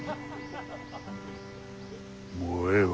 もうええわ。